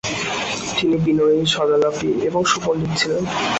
তিনি বিনয়ী, সদালাপী এবং সুপণ্ডিত ছিলেন।